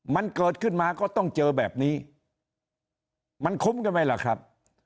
มันเกิดขึ้นมาก็ต้องเจอแบบนี้มันคุ้มกันไหมล่ะครับ